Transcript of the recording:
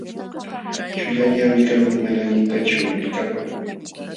Chullañawi kalmi mana allintachu likapan.